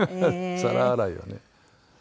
皿洗いをね。